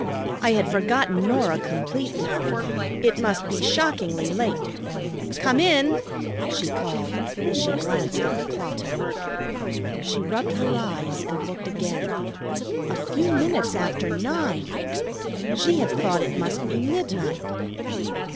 "I had forgotten Norah completely. It must be shockingly late. Come in," she called, as she glanced at the clock. She rubbed her eyes and looked again. A few minutes after nine! She had thought it must be midnight!